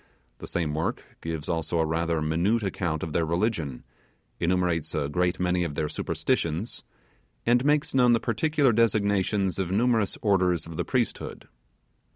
The same work gives also a rather minute account of their religion enumerates a great many of their superstitions and makes known the particular designations of numerous orders of the priesthood.